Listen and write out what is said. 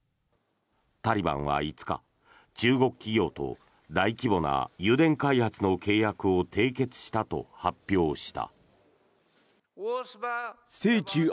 タリバンは５日、中国企業と大規模な油田開発の契約を締結したと発表した。